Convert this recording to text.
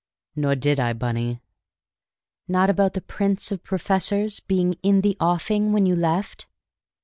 "Nor did I, Bunny." "Not about the 'prince of professors' being 'in the offing' when you left?"